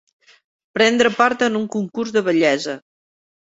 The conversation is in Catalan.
Prendre part en un concurs de bellesa.